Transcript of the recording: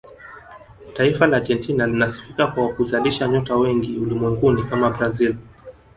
taifa la argentina linasifika kwa kuzalisha nyota wengi ulimwenguni kama brazil